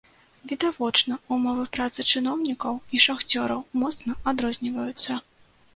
Відавочна, умовы працы чыноўнікаў і шахцёраў моцна адрозніваюцца.